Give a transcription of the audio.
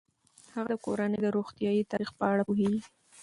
هغه د کورنۍ د روغتیايي تاریخ په اړه پوهیږي.